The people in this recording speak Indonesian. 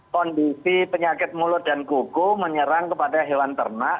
kondisi penyakit mulut dan kuku menyerang kepada hewan ternak